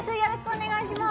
お願いします